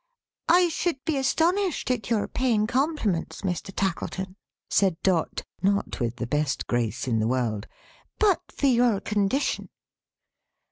"I should be astonished at your paying compliments, Mr. Tackleton," said Dot, not with the best grace in the world; "but for your condition."